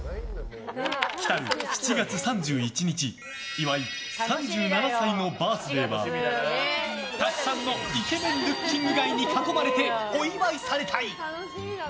来る７月３１日岩井３７歳のバースデーはたくさんのイケメンルッキングガイに囲まれてお祝いされたい！